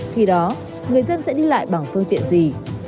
khi đó người dân sẽ đi lại bằng phương tiện gì